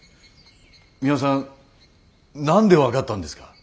ミワさん何で分かったんですか！？